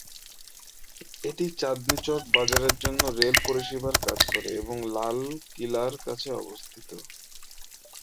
এটি চাঁদনী চক বাজারের জন্য রেল পরিষেবার কাজ করে এবং লাল কিলার কাছে অবস্থিত।